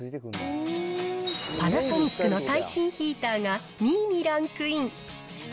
パナソニックの最新ヒーターが２位にランクイン。